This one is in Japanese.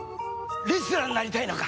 レスラーになりたいのか？